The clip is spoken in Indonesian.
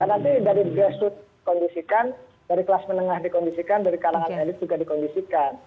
karena nanti dari grassroot dikondisikan dari kelas menengah dikondisikan dari kalangan elite juga dikondisikan